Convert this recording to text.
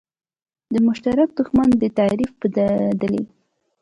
د مشترک دښمن د تعریف په دلیل.